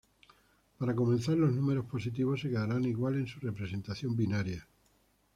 Para comenzar los números positivos se quedarán igual en su representación binaria.